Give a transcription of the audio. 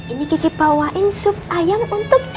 ini kiki bawain sup ayam untuk ibu